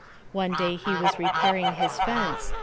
One day he was repairing his fence.